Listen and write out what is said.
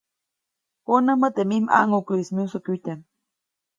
Konämä teʼ mij ʼmaŋʼukuʼis myusokyutyaʼm.